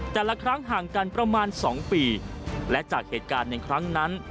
แต่ละครั้งห่างกันประมาณสองปีและจากเหตุการณ์ในครั้งนั้น